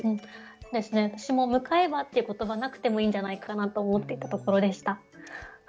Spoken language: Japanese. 私も「向かえば」っていう言葉なくてもいいんじゃないかなと思っていたところでした。